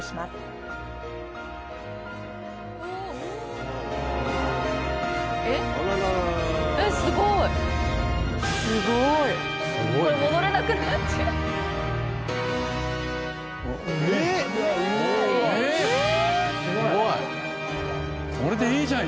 すごい！